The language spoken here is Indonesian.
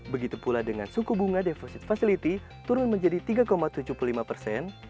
begitu pula dengan suku bunga deficit facility turun menjadi tiga juta